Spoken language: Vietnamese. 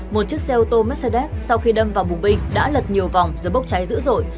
một chiếc xe ô tô mercedes sau khi đâm vào bùng binh đã lật nhiều vòng rồi bốc cháy dữ dội